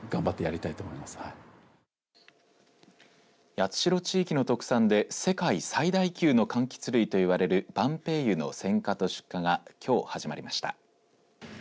八代地域の特産で世界最大級のかんきつ類といわれる晩白柚の選果と出荷がきょうから始まりました。